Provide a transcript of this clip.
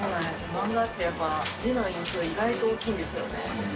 漫画ってやっぱ、字の印象、意外と大きいんですよね。